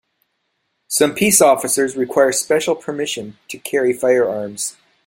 Some peace officers require special permission to carry firearms.